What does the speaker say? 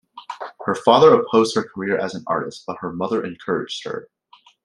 Her father opposed her career as an artist, but her mother encouraged her.